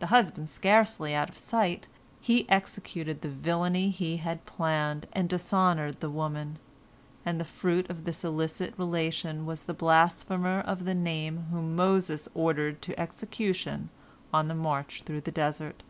The husband scarcely out of sight, he executed the villainy he had planned, and dishonored the woman, and the fruit of this illicit relation was the blasphemer of the Name whom Moses ordered to execution on the march through the desert.